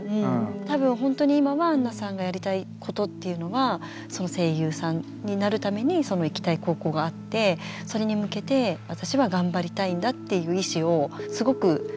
多分本当に今はあんなさんがやりたいことっていうのは声優さんになるためにその行きたい高校があってそれに向けて私は頑張りたいんだっていう意思をすごく感じ取ったんですけど。